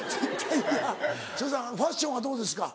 長州さんファッションはどうですか？